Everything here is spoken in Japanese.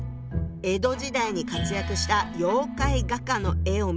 江戸時代に活躍した妖怪画家の絵を見てみると。